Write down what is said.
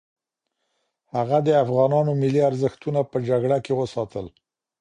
هغه د افغانانو ملي ارزښتونه په جګړه کې وساتل.